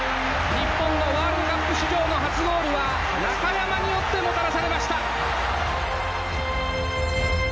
日本のワールドカップ史上の初ゴールは中山によってもたらされました。